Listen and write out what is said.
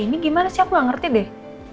ini gimana sih aku gak ngerti deh